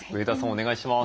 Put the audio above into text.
お願いします。